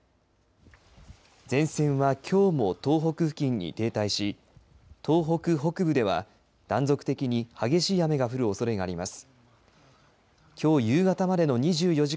前線はきょうも東北付近に停滞し東北北部では断続的に激しい雨が降るおそれがあります。